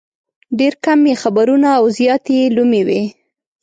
ډېر کم یې خبرونه او زیات یې لومې وي.